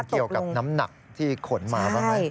เกี่ยวกับน้ำหนักที่ขนมาบ้างไหม